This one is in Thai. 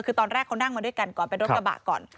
คือตอนแรกเขานั่งมาด้วยกันก่อนเป็นรถกระบะก่อน